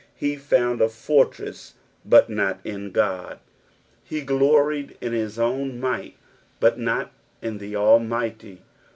He found • fortreaa, but not in Qod ; he gloried in hia ini((ht, but not in the Almighty.